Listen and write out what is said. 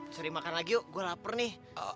seri makan lagi yuk gue lapar nih